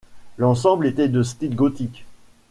L'ensemble était de style gothique.